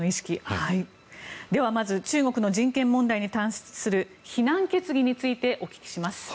ではまず中国の人権問題に関する非難決議についてお聞きします。